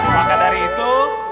maka dari itu